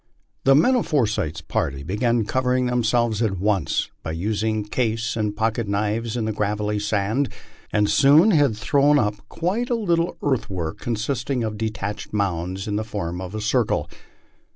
The men of Forsyth's party began covering themselves at once, by using case and pocket knives in the gravelly sand, and Boon had thrown up quite a little earthwork consisting of detached mounds in the form of a circle.